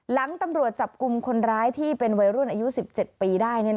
หลังตำรวจจับกลุ่มคนร้ายที่เป็นวัยรุ่นอายุ๑๗ปีได้